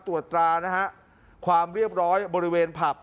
ตรวจตรานะฮะความเรียบร้อยบริเวณผับ